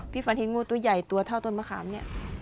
ฝันเห็นงูตัวใหญ่ตัวเท่าต้นมะขามเนี่ย